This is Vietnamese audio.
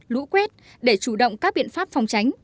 lũ quét để chủ động các biện pháp phòng tránh